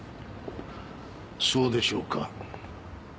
そうでしょうか？